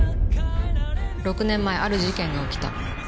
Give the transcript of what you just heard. ６年前ある事件が起きた。